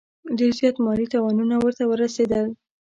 ډېر زیات مالي تاوانونه ورته ورسېدل.